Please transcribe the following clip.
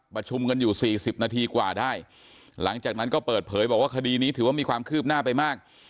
ประชุมกันอยู่สี่สิบนาทีกว่าได้หลังจากนั้นก็เปิดเผยบอกว่าคดีนี้ถือว่ามีความคืบหน้าไปมาก